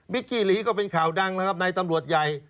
กี้หลีก็เป็นข่าวดังนะครับในตำรวจใหญ่